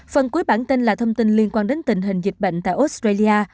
phần cuối bản tin là thông tin liên quan đến tình hình dịch bệnh tại australia